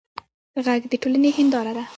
غږ د ټولنې هنداره ده